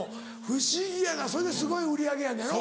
不思議やなそれですごい売り上げやのやろ？